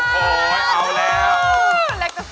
ดับไป๑หมื่นบาท